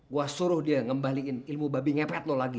gue suruh dia ngembaliin ilmu babi ngepet lu lagi